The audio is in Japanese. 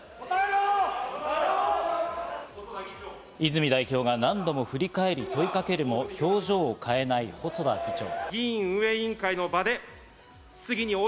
泉代表が何度も振り返り、問いかけるも表情を変えない細田議長。